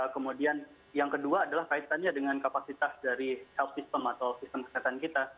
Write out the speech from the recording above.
kemudian yang kedua adalah kaitannya dengan kapasitas dari health system atau sistem kesehatan kita